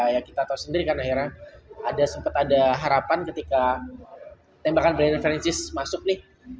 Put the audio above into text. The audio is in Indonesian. yang kita tahu sendiri karena heran ada sempat ada harapan ketika tembakan berinterferensi semestinya